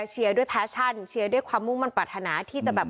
ด้วยแฟชั่นเชียร์ด้วยความมุ่งมันปรารถนาที่จะแบบ